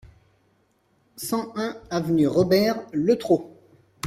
cent un avenue Robert Leuthreau